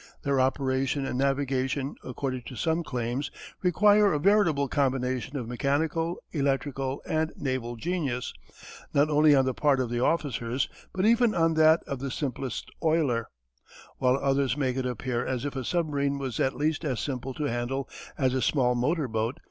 Their operation and navigation, according to some claims, require a veritable combination of mechanical, electrical, and naval genius not only on the part of the officers, but even on that of the simplest oiler while others make it appear as if a submarine was at least as simple to handle as a small motor boat.